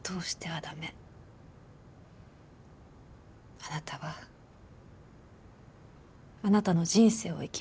「あなたはあなたの人生を生きなさい」って。